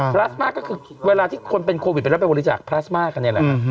พลาสมาก็คือเวลาที่คนเป็นโควิดไปแล้วไปบริจาคพลาสมากันเนี่ยแหละฮะ